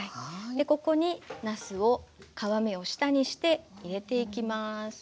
でここになすを皮目を下にして入れていきます。